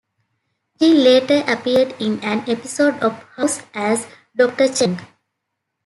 She later appeared in an episode of "House" as Doctor Cheng.